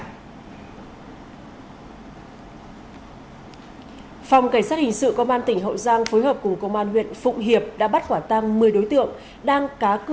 phòng cảnh sát hình sự công an tỉnh hậu giang phối hợp cùng công an huyện phụ hiệp đã bắt quả tăng một mươi đối tượng